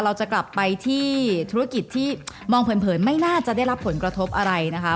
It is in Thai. เราจะกลับไปที่ธุรกิจที่มองเผินไม่น่าจะได้รับผลกระทบอะไรนะคะ